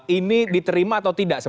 ini diterima atau tidak